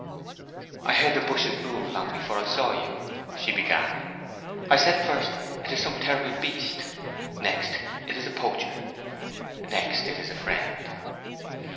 "I heard the bushes move long before I saw you," she began. "I said first, 'it is some terrible beast;' next, 'it is a poacher;' next, 'it is a friend!